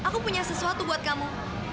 aku punya sesuatu buat kamu